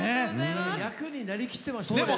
役になりきってました。